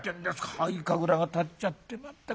灰神楽が立っちゃってまったく。